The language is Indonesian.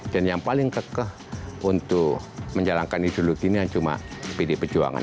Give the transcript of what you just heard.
dan yang paling kekeh untuk menjalankan ideologi ini cuma pdi perjuangan